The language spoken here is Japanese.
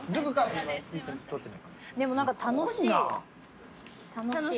でも何か楽しい。